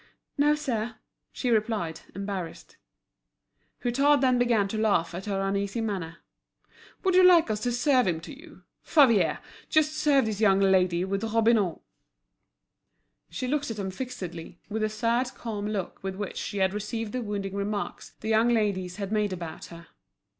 "No, sir," she replied, embarrassed. Hutin then began to laugh at her uneasy manner. "Would you like us to serve him to you? Favier, just serve this young lady with Robineau." She looked at him fixedly, with the sad calm look with which she had received the wounding remarks the young ladies had made about her.